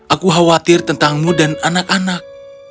aku khawatir tentangmu dan anak anak